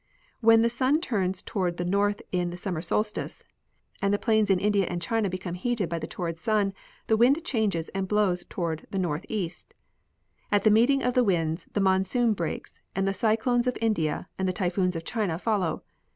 When the sun turns toward the north in the summer solstice and the plains in India and China become heated by the torrid sun, the wind changes and blows toward the northeast. At the meeting of the winds the monsoon breaks, and the cyclones of India and the typhoons of China follow.